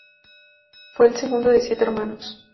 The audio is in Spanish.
Fue el segundo de siete hermanos.